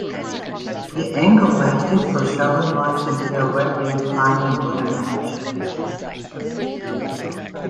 The angle lasted for several months until Whatley finally won a match.